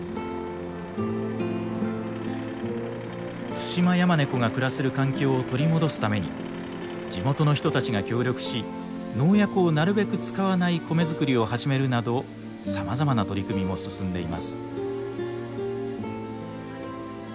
ツシマヤマネコが暮らせる環境を取り戻すために地元の人たちが協力し農薬をなるべく使わない米作りを始めるなどさまざまな取り組みも進んでいます。